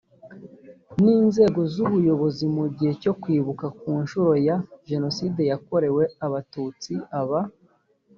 n inzego z ubuyobozi mu gihe cyo kwibuka ku nshuro ya jenoside yakorewe abatutsi aba